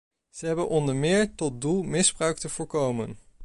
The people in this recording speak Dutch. Ze hebben onder meer tot doel misbruik te voorkomen.